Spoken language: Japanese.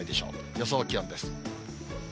予想気温です。